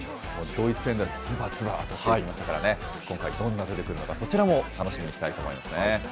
ドイツ戦でのずばずばあてていましたからね、今回、どんな采配を、そちらも楽しみにしたいと思いますね。